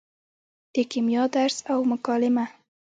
د کیمیا درس او مکالمه